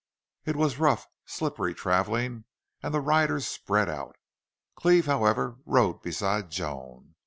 It was rough, slippery traveling and the riders spread out. Cleve, however, rode beside Joan.